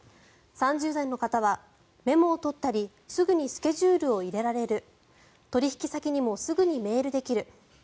３０代の方は、メモを取ったりすぐにスケジュールを入れられる取引先にもすぐにメールできる。